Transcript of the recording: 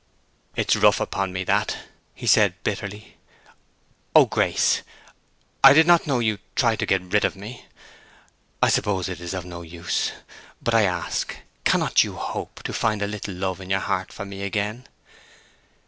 "It is rough upon me—that!" he said, bitterly. "Oh, Grace—I did not know you—tried to get rid of me! I suppose it is of no use, but I ask, cannot you hope to—find a little love in your heart for me again?"